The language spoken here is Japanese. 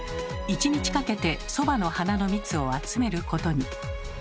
一日かけてソバの花の蜜を集めることに。